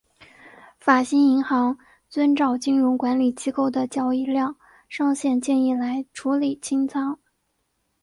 法兴银行遵照金融管理机构的交易量上限建议来处理清仓。